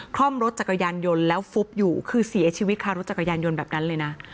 ล่อมรถจักรยานยนต์แล้วฟุบอยู่คือเสียชีวิตคารถจักรยานยนต์แบบนั้นเลยนะ